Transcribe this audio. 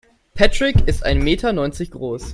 Patrick ist ein Meter neunzig groß.